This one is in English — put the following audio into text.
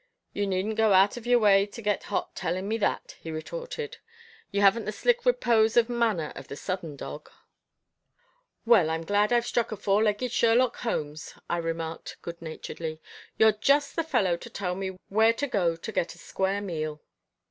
"You needn't go out of your way to get hot telling me that," he retorted. "You haven't the slick repose of manner of the Southern dog." "Well, I'm glad I've struck a four legged Sherlock Holmes," I remarked good naturedly. "You're just the fellow to tell me where to go to get a square meal."